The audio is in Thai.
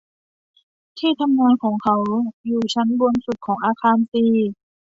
ที่ทำงานของเขาอยู่ชั้นบนสุดของอาคารซี